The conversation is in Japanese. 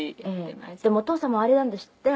でもお父様はあれなんですって？